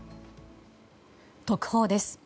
特報です。